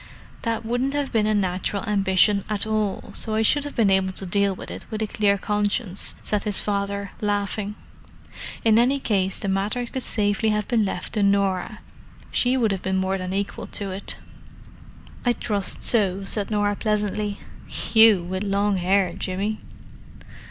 "That wouldn't have been a natural ambition at all, so I should have been able to deal with it with a clear conscience," said his father, laughing. "In any case, the matter could safely have been left to Norah—she would have been more than equal to it." "I trust so," said Norah pleasantly. "You with long hair, Jimmy!"